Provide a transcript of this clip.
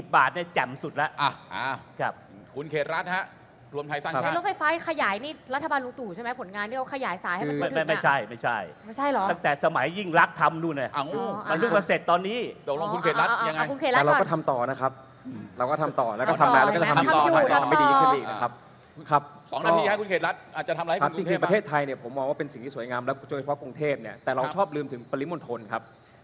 ๒๐บาทเนี่ยแจ่มสุดละ